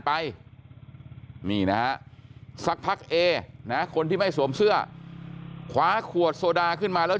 ไปนี่นะสักพักเอนะคนที่ไม่สวมเสื้อคว้าขวดโซดาขึ้นมาแล้ว